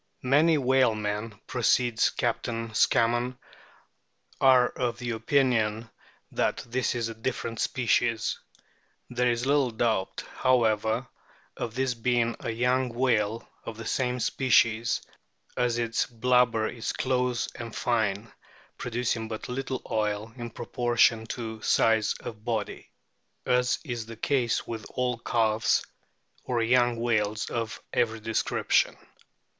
" Many whalemen," proceeds Captain Scammon, "are of the opinion that this is a different species. There is little doubt, however, of this being a young whale of the same species, as its blubber is close and fine, producing but little oil in proportion to size of body, as is the case with all calves or young whales of every description."